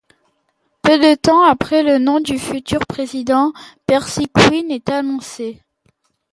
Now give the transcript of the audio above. Peu de temps après, le nom du futur président, Percy Quinn, est annoncé.